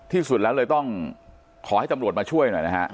ที่สุดแล้วเลยต้องขอให้ตำรวจมาช่วยหน่อยนะฮะ